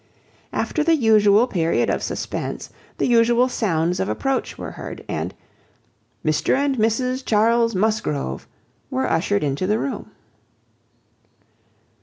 After the usual period of suspense, the usual sounds of approach were heard, and "Mr and Mrs Charles Musgrove" were ushered into the room.